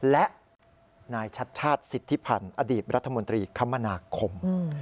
และนายชัดชาติสิทธิพันธ์อดีตรัฐมนตรีคมนาคม